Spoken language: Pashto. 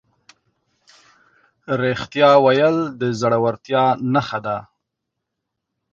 رښتیا ویل د زړهورتیا نښه ده.